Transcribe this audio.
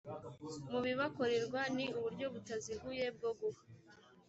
mu bibakorerwa ni uburyo butaziguye bwo guha